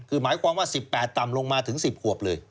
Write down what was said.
คือหมายความว่า๑๘ต่ำลงมาถึง๑๐ขวบเลย